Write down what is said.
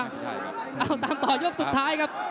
เอาตามต่อยกสุดท้ายครับ